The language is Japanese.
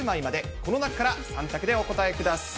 この中から３択でお答えください。